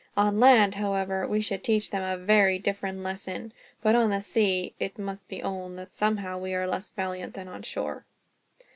On land, however, we should teach them a very different lesson; but on the sea it must be owned that, somehow, we are less valiant than on shore."